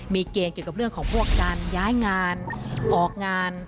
มีเกณฑ์เกี่ยวกับเรื่องของพวกการย้ายงานออกงาน